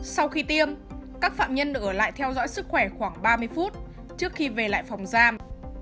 sau khi tiêm các phạm nhân được ở lại theo dõi sức khỏe khoảng ba mươi phút trước khi về lại phòng giam